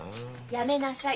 やめなさい。